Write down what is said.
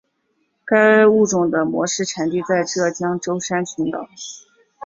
该物种的模式产地在浙江舟山群岛。